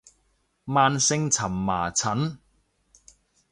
慢性蕁麻疹